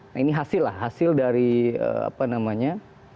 nah ini hasil lah hasil dari apa namanya